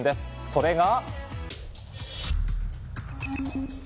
それが。